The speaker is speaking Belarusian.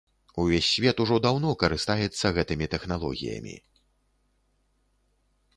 Увесь свет ужо даўно карыстаецца гэтымі тэхналогіямі.